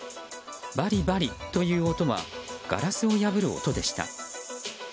バリバリという音はガラスを破る音でした。